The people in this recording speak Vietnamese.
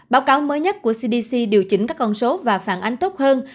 báo cáo mới nhất của cdc điều chỉnh các con số và phản ánh tốt hơn